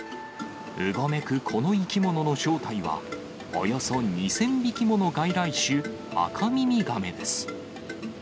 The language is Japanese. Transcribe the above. うごめくこの生き物の正体は、およそ２０００匹もの外来種、アカミミガメです。